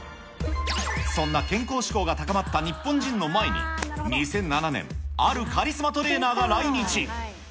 そんな健康志向が高まった日本人の前に、２００７年、あるカリスマトレーナーが来日。